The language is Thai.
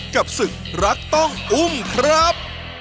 กับศึกรักต้องอุ้มครับ